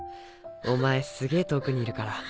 お前すげぇ遠くにいるから。